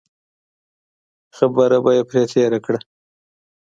خبره به یې پرې تېره کړه.